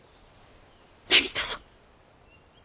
何とぞ。